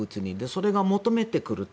それが求めてくると。